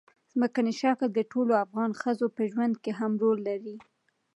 ځمکنی شکل د ټولو افغان ښځو په ژوند کې هم رول لري.